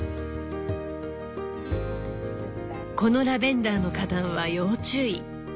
このラベンダーの花壇は要注意。